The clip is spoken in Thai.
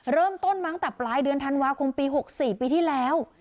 เริ่มต้นมาตั้งแต่ปลายเดือนธันวาคมปี๖๔ปีที่แล้ว